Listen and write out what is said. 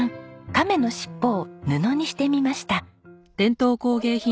亀の尻尾を布にしてみました。